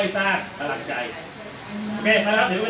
ถ้าถามกันให้ดี